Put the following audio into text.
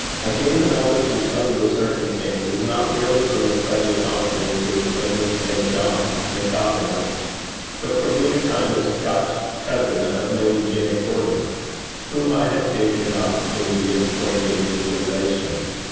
I gained a knowledge of some of the circumstances, not merely from the friendly confidences of Miss St. John and Falconer, but from being a kind of a Scotch cousin of Lady Janet Gordon, whom I had taken an opportunity of acquainting with the relation.